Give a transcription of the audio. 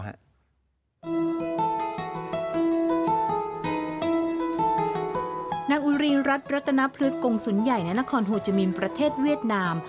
นักอุเรียนรัฐรัฐนพลึกกรงสุนใหญ่ในนครโฮจัมมินประเทศเวียดนาม